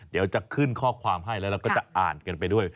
เดี๋ยวจะขึ้นข้อความให้แล้วเราก็จะอ่านกันไปด้วย